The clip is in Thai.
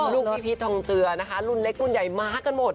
ลูกพี่พีชทองเจือนะคะรุ่นเล็กรุ่นใหญ่มากันหมด